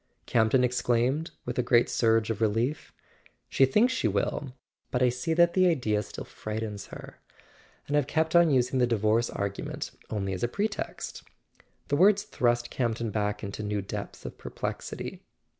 Campton exclaimed with a great surge of relief. "She thinks she will; but I see that the idea still frightens her. And I've kept on using the divorce argu¬ ment only as a pretext." [ 382 ] A SON AT THE FRONT The words thrust Campton back into new depths of perplexity.